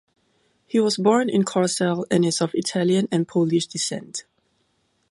He was born in Koersel and is of Italian and Polish descent.